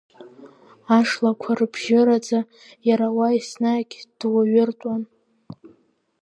Ашлақәа рыбжьы раӡа иара уа еснагь дуаҩыртәуан.